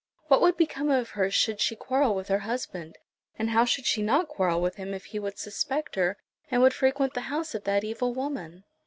What would become of her should she quarrel with her husband, and how should she not quarrel with him if he would suspect her, and would frequent the house of that evil woman?